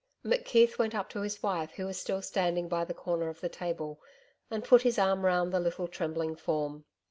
McKeith went up to his wife who was still standing by the corner of the table, and put his arm round the little trembling form.